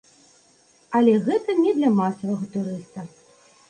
Але гэта не для масавага турыста.